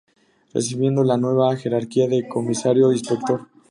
Recibiendo la nueva jerarquía de comisario-inspector.